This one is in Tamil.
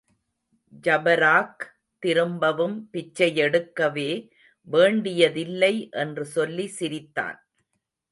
ஜபராக், திரும்பவும் பிச்சை யெடுக்கவே வேண்டியதில்லை என்று சொல்லி சிரித்தான்.